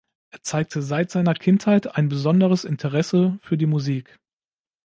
Er zeigte seit seiner Kindheit ein besonderes Interesse für die Musik.